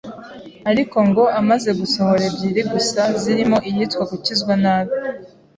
ariko ngo amaze gusohora ebyiri gusa zirimo iyitwa gukizwa nabi,